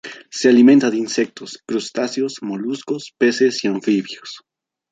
Se alimenta de insectos, crustáceos, moluscos, peces y anfibios.